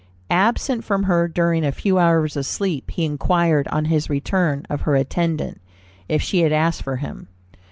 Absent from her during a few hours of sleep, he inquired, on his return, of her attendant, if she had asked for him?